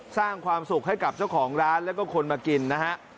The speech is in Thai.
สร้างความสุขให้กับเจ้าของร้านแล้วก็คนมากินนะฮะ